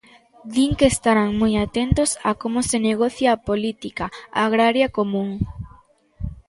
Din que estarán moi atentos a como se negocia a Política Agraria Común.